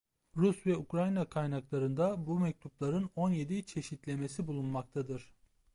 Rus ve Ukrayna kaynaklarında bu mektupların on yedi çeşitlemesi bulunmaktadır.